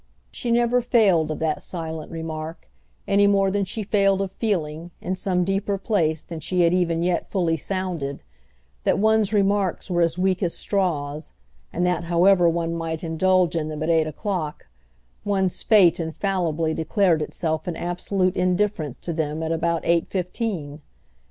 She never failed of that silent remark, any more than she failed of feeling, in some deeper place than she had even yet fully sounded, that one's remarks were as weak as straws and that, however one might indulge in them at eight o'clock, one's fate infallibly declared itself in absolute indifference to them at about eight fifteen.